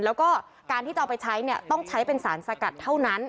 แล้วก็การที่จะเอาไปใช้เนี่ยต้องใช้เป็นสารสกัดเท่านั้น